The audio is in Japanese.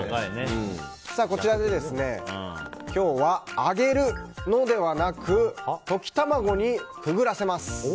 こちらで今日は揚げるのではなく溶き卵にくぐらせます。